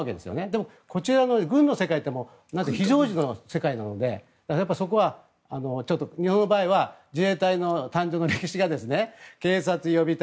でも、こちらの軍の世界って非常時の世界なのでそこは日本の場合は自衛隊の誕生の歴史が警察予備隊。